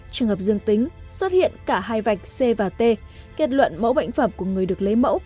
trường hợp dương tính xuất hiện cả hai vạch c và t kết luận mẫu bệnh phẩm của người được lấy mẫu